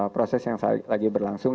proses yang lagi berlangsung